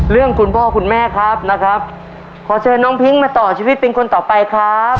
คุณพ่อคุณแม่ครับนะครับขอเชิญน้องพิ้งมาต่อชีวิตเป็นคนต่อไปครับ